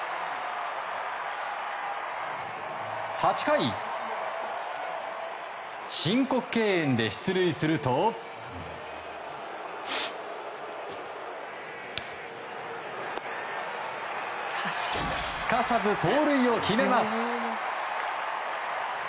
８回、申告敬遠で出塁するとすかさず盗塁を決めます。